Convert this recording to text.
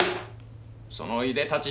そのいでたち